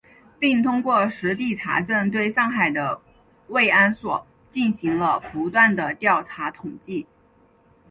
并通过实地查证，对上海的慰安所进行了不断地调查统计